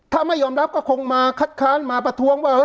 ถ้าไม่ยอมรับก็คงมาคัดค้านมาประท้วงว่า